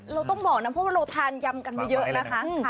เราต้องบอกนะเพราะว่าเราทานยำกันมาเยอะนะคะ